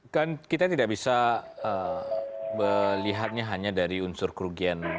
kan kita tidak bisa melihatnya hanya dari unsur kerugian